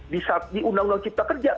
di saat di undang undang cipta kerja